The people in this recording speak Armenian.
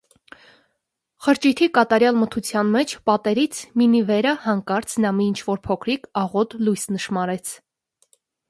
Խրճիթի կատարյալ մթության մեջ պատերից մինի վերա հանկարծ նա մի ինչ-որ փոքրիկ, աղոտ լույս նշմարեց: